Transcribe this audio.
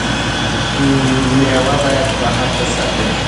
میوې باید بهر ته صادر شي.